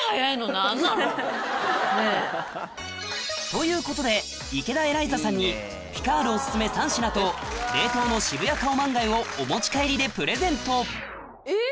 ということで池田エライザさんにＰｉｃａｒｄオススメ３品と冷凍の渋谷カオマンガイをお持ち帰りでプレゼントえっ？